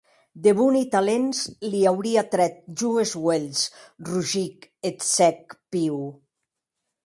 De boni talents l’auria trèt jo es uelhs, rugic eth cèc Pew.